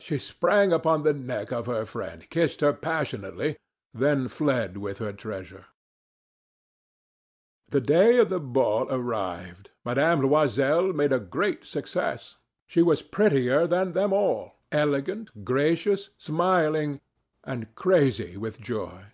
She sprang upon the neck of her friend, kissed her passionately, then fled with her treasure. The day of the ball arrived. Mme. Loisel made a great success. She was prettier than them all, elegant, gracious, smiling, and crazy with joy.